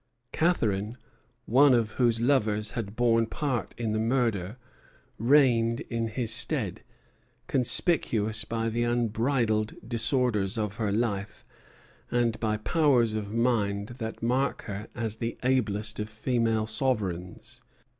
Catherine, one of whose lovers had borne part in the murder, reigned in his stead, conspicuous by the unbridled disorders of her life, and by powers of mind that mark her as the ablest of female sovereigns.